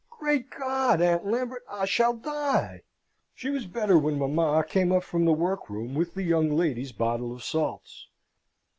Great God! Aunt Lambert, I shall die!" She was better when mamma came up from the workroom with the young lady's bottle of salts.